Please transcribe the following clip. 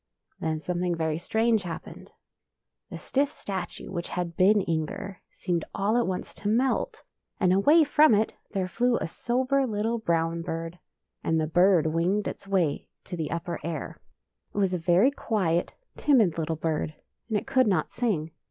" Then something very strange happened. The stiff statue which had been Inger, seemed all at once to melt, and away from it there flew a sober little brown bird. And the bird winged its way to the upper air. It was a very quiet, timid little bird, and it could not sing.